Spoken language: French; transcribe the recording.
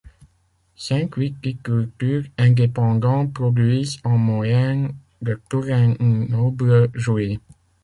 Cinq viticulteurs indépendants produisent en moyenne de touraine-noble-joué.